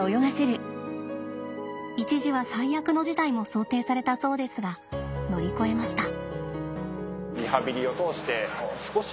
一時は最悪の事態も想定されたそうですが乗り越えました。